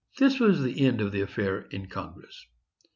This was the end of the affair in Congress.